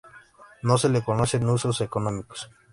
No se le conocen usos económicos.